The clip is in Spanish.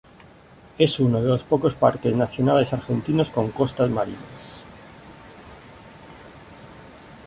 Es uno de los pocos parques nacionales argentinos con costas marinas.